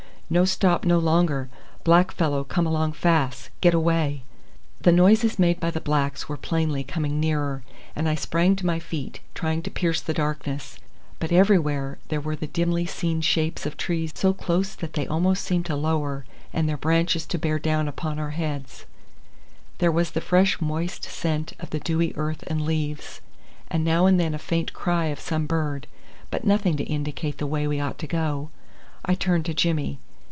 "No stop no longer. Black fellow come along fas. Get away." The noises made by the blacks were plainly coming nearer, and I sprang to my feet, trying to pierce the darkness, but everywhere there were the dimly seen shapes of trees so close that they almost seemed to lower and their branches to bear down upon our heads; there was the fresh moist scent of the dewy earth and leaves, and now and then a faint cry of some bird, but nothing to indicate the way we ought to go. I turned to Jimmy.